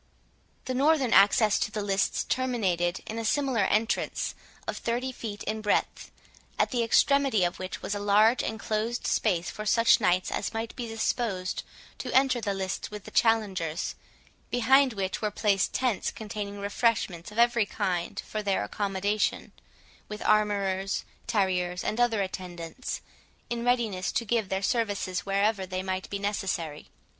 The northern access to the lists terminated in a similar entrance of thirty feet in breadth, at the extremity of which was a large enclosed space for such knights as might be disposed to enter the lists with the challengers, behind which were placed tents containing refreshments of every kind for their accommodation, with armourers, tarriers, and other attendants, in readiness to give their services wherever they might be necessary.